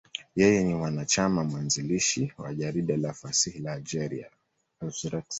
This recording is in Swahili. Yeye ni mwanachama mwanzilishi wa jarida la fasihi la Algeria, L'Ivrescq.